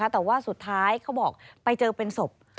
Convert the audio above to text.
แต่ว่าสุดท้ายเขาบอกไปเจอเป็นศพ